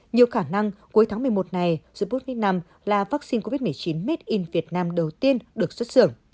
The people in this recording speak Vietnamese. nhiều khả năng cuối tháng một mươi một này sputnik v là vaccine covid một mươi chín made in vietnam đầu tiên được xuất xưởng